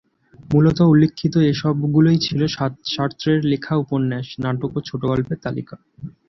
মূলত উল্লিখিত এ সবগুলোই ছিল সার্ত্রে’র লেখা উপন্যাস, নাটক ও ছোটগল্পের তালিকা।